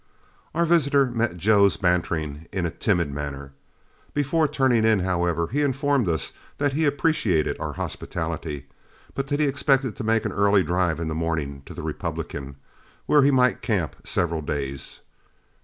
Our visitor met Joe's bantering in a timid manner. Before turning in, however, he informed us that he appreciated our hospitality, but that he expected to make an early drive in the morning to the Republican, where he might camp several days.